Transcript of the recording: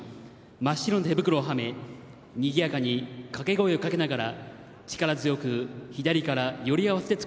真っ白な手袋をはめにぎやかに掛け声をかけながら力強く左からより合わせて作り上げます。